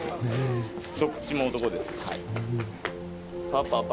どっちも男です。